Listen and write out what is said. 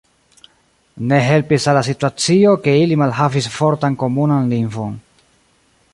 Ne helpis al la situacio, ke ili malhavis fortan komunan lingvon.